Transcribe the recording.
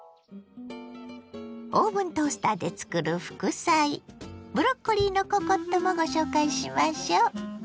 オーブントースターでつくる副菜ブロッコリーのココットもご紹介しましょ。